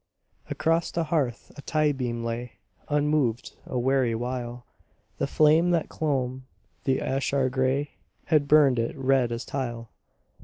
Across the hearth a tie beam lay Unmoved a weary while. The flame that clomb the ashlar grey Had burned it red as tile.